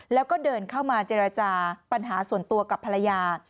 แล้วก็เดินเข้ามาเจรจาปัญหาส่วนตัวกับภรรยา